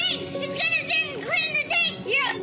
やった！